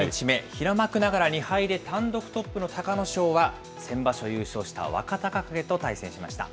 平幕ながら２敗で単独トップの隆の勝は、先場所優勝した若隆景と対戦しました。